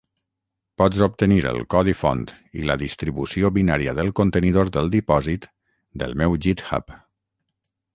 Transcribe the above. Pots obtenir el codi font i la distribució binària del contenidor del dipòsit del meu github.